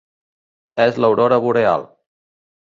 És l'aurora boreal.